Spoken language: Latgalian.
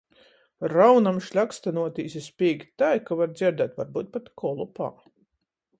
Raunam šļakstynuotīs i spīgt tai, ka var dzierdēt varbyut pat Kolupā.